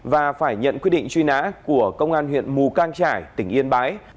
và phải nhận quyết định truy nã của công an huyện mù cang trải tỉnh yên bái